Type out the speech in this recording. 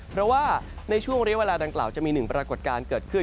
เพราะว่าในช่วงเรียกเวลาดังกล่าวจะมีหนึ่งปรากฏการณ์เกิดขึ้น